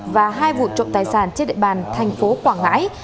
và hai vụ trộm tài sản trên địa bàn thành phố quảng ngãi